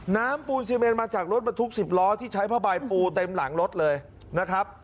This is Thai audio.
ปูนซีเมนมาจากรถบรรทุก๑๐ล้อที่ใช้ผ้าใบปูเต็มหลังรถเลยนะครับ